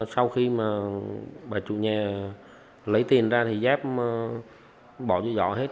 sau khi mà bà chủ nhà lấy tiền ra thì giáp bỏ cho giỏ hết